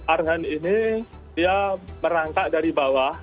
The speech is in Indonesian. arhan ini dia merangkak dari bawah